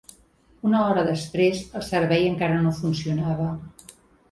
Una hora després, el servei encara no funcionava.